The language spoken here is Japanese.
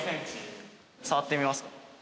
触ってみますか？